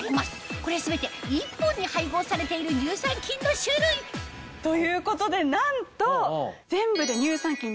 これ全て一本に配合されている乳酸菌の種類ということでなんと全部で。